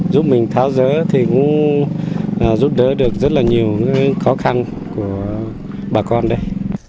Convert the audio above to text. giúp mình tháo giỡn thì cũng giúp đỡ được rất là nhiều khó khăn của bà con đấy